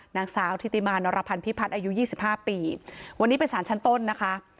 นางสาวธิติมานอรพันธ์พิพัฒน์อายุ๒๕ปีวันนี้เป็นสารชั้นต้นนะคะ